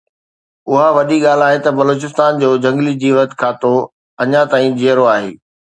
اها وڏي ڳالهه آهي ته بلوچستان جو جهنگلي جيوت کاتو اڃا تائين جيئرو آهي